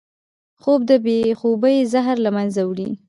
خوب د بې خوبۍ زهر له منځه وړي